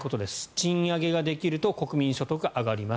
賃上げができると国民所得が上がります。